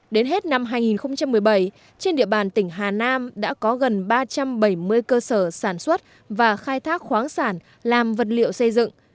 đến hết năm hai nghìn một mươi bảy trên địa bàn tỉnh hà nam đã có gần ba trăm bảy mươi cơ sở sản xuất và khai thác khoáng sản làm vật liệu xây dựng